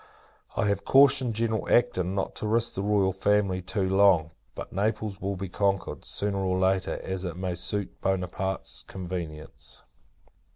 I have cautioned General Acton, not to risk the Royal Family too long; but Naples will be conquered, sooner or later, as it may suit Buonaparte's convenience.